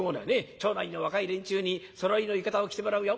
町内の若い連中にそろいの浴衣を着てもらうよ。